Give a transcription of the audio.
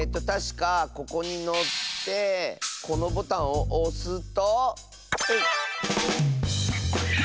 たしかここにのってこのボタンをおすと。